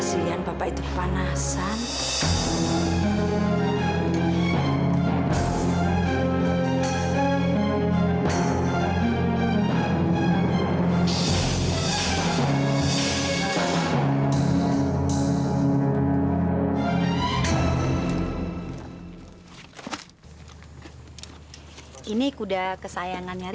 sampai jumpa di video selanjutnya